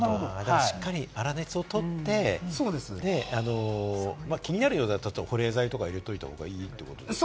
しっかり粗熱をとって、気になるようだったら、保冷剤とか入れておいた方がいいってことですか？